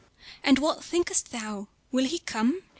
And what thinkest thou? will he come?